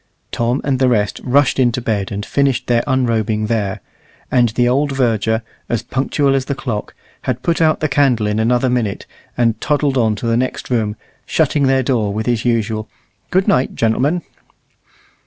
Tom and the rest rushed into bed and finished their unrobing there, and the old verger, as punctual as the clock, had put out the candle in another minute, and toddled on to the next room, shutting their door with his usual "Good night, gen'lm'n."